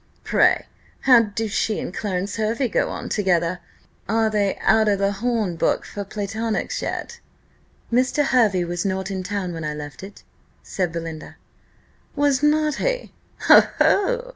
Pray, how do she and Clarence Hervey go on together? Are they out o' the hornbook of platonics yet?" "Mr. Hervey was not in town when I left it," said Belinda. "Was not he? Ho! ho!